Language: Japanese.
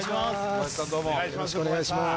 よろしくお願いします